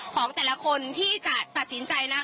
ของแต่ละคนที่จะตัดสินใจนะคะ